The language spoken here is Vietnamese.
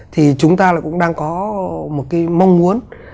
thì chúng ta cũng đang có một cái mong muốn